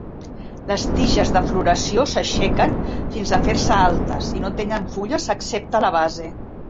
Les tiges de floració s'aixequen, fins a fer-se altes, i no tenen fulles excepte a la base.